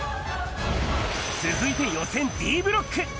続いて予選Ｄブロック。